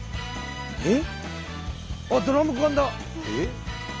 えっ？